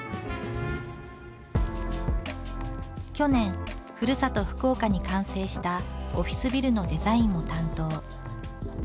去年ふるさと福岡に完成したオフィスビルのデザインも担当。